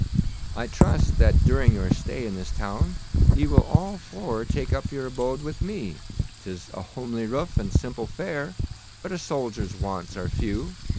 'I trust that during your stay in this town ye will all four take up your abode with me. 'Tis a homely roof and simple fare, but a soldier's wants are few.